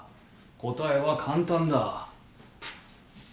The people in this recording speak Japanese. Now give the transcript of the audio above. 答えは簡単だ。